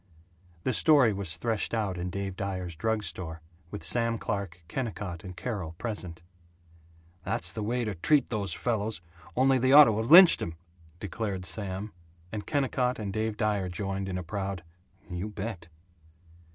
The story was threshed out in Dave Dyer's drug store, with Sam Clark, Kennicott, and Carol present. "That's the way to treat those fellows only they ought to have lynched him!" declared Sam, and Kennicott and Dave Dyer joined in a proud "You bet!"